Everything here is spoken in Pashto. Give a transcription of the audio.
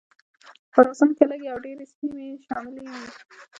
په خراسان کې لږې او ډېرې سیمې شاملي وې.